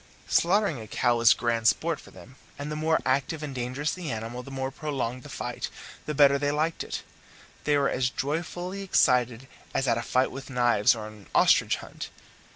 Slaughtering a cow was grand sport for them, and the more active and dangerous the animal, the more prolonged the fight, the better they liked it; they were as joyfully excited as at a fight with knives or an ostrich hunt.